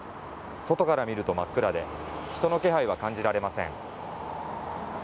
外から見ると真っ暗で、人の気配は感じられません。